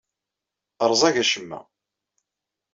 Rẓag acemma.